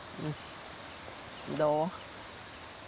どう？